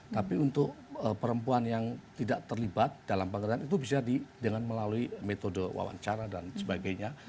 tapi untuk perempuan yang tidak terlibat dalam pengertian itu bisa dengan melalui metode wawancara dan sebagainya